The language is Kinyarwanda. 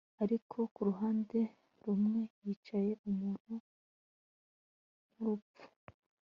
ariko kuruhande rumwe yicaye umuntu nkurupfu